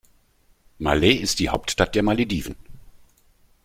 Malé ist die Hauptstadt der Malediven.